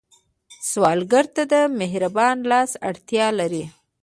سوالګر ته د مهربان لاس اړتیا لري